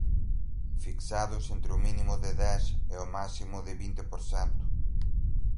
fixados entre o mínimo de dez e o máximo de vinte por cento